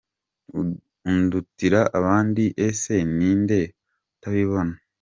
Undutira abandi , ese ni nde utabibona?.